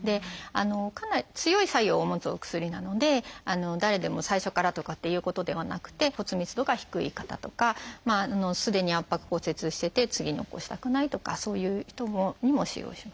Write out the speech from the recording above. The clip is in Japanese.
かなり強い作用を持つお薬なので誰でも最初からとかっていうことではなくて骨密度が低い方とかすでに圧迫骨折してて次に起こしたくないとかそういう人にも使用します。